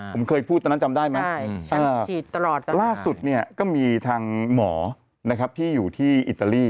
ผมเคยพูดตอนนั้นจำได้ไหมล่าสุดเนี่ยก็มีทางหมอนะครับที่อยู่ที่อิตาลี